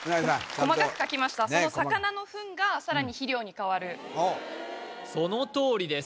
細かく書きましたその魚のフンがさらに肥料に変わるそのとおりです